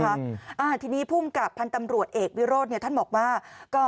หรือว่าติดต่อกันทางหนูหรือว่าได้โพสต์